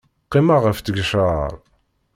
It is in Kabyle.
Qqimeɣ ɣef tgecrar.